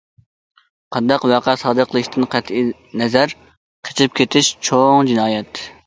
قانداق ۋەقە سادىر قىلىشتىن قەتئىينەزەر، قېچىپ كېتىش چوڭ جىنايەت.